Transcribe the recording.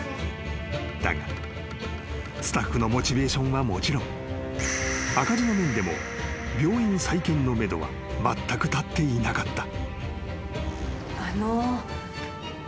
［だがスタッフのモチベーションはもちろん赤字の面でも病院再建のめどはまったく立っていなかった］